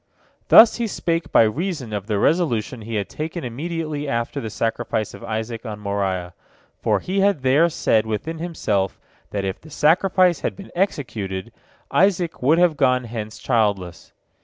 " Thus he spake by reason of the resolution he had taken immediately after the sacrifice of Isaac on Moriah, for he had there said within himself, that if the sacrifice had been executed, Isaac would have gone hence childless.